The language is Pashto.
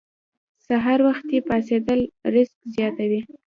سحر وختي پاڅیدل رزق زیاتوي.